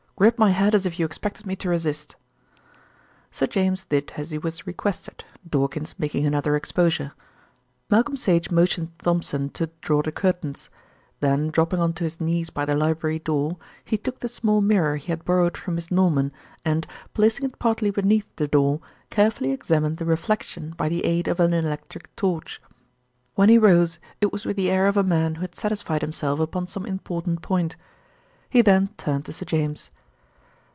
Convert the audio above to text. Grip my head as if you expected me to resist." Sir James did as he was requested, Dawkins making another exposure. Malcolm Sage motioned Thompson to draw the curtains. Then dropping on to his knees by the library door, he took the small mirror he had borrowed from Miss Norman and, placing it partly beneath the door, carefully examined the reflection by the aid of an electric torch. When he rose it was with the air of a man who had satisfied himself upon some important point. He then turned to Sir James.